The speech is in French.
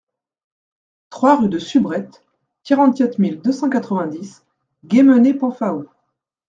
trois rue de Subrette, quarante-quatre mille deux cent quatre-vingt-dix Guémené-Penfao